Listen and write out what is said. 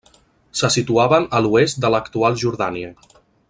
Se situaven a l'oest de l'actual Jordània.